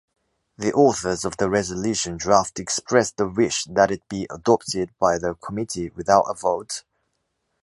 The authors of the resolution draft expressed the wish that it be adopted by the Committee without a vote.